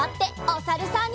おさるさん。